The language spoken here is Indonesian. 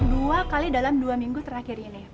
dua kali dalam dua minggu terakhir ini